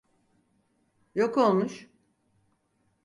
Yok olmuş.